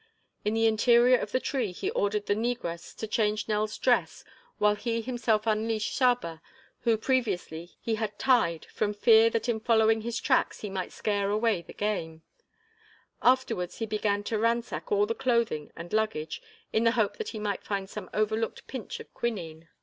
In the interior of the tree he ordered the negress to change Nell's dress while he himself unleashed Saba, whom previously he had tied from fear that in following his tracks he might scare away the game; afterwards he began to ransack all the clothing and luggage in the hope that he might find some overlooked pinch of quinine.